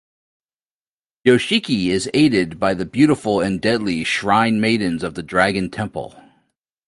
Yoshiki is aided by the beautiful and deadly Shrine Maidens of the Dragon Temple.